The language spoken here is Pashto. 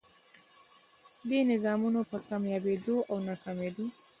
دې نظامونو په کاميابېدو او ناکامېدو